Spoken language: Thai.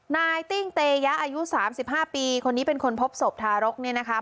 นายติ้งเตยะอายุ๓๕ปีคนนี้เป็นคนพบศพทารกเนี่ยนะคะ